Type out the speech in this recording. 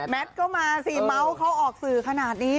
ก็มาสิเมาส์เขาออกสื่อขนาดนี้